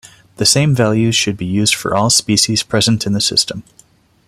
The same values should be used for all species present in the system.